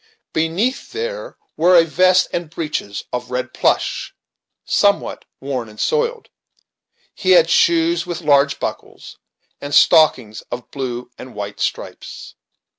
Beneath, there were a vest and breeches of red plush, somewhat worn and soiled. He had shoes with large buckles, and stockings of blue and white stripes.